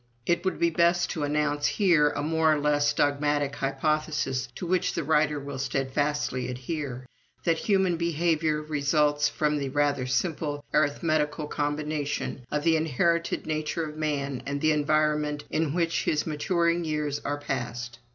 "It would be best to announce here a more or less dogmatic hypothesis to which the writer will steadfastly adhere: that human behavior results from the rather simple, arithmetical combination of the inherited nature of man and the environment in which his maturing years are passed!